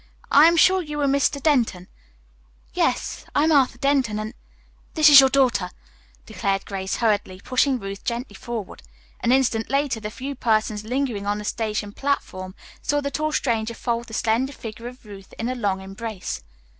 I am sure you are Mr. Denton." "Yes, I am Arthur Denton, and " "This is your daughter, Ruth," declared Grace hurriedly, pushing Ruth gently forward. An instant later the few persons lingering on the station platform saw the tall stranger fold the slender figure of Ruth in a long embrace.